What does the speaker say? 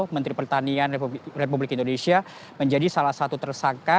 menteri pertanian republik indonesia menjadi salah satu tersangka